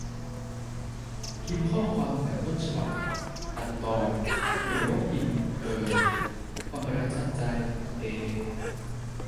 พิมพ์ข้อความเหมือนต้นฉบับ ตัดตอน หรือว่าพิมพ์ เอ่อ ความประทับใจ เอ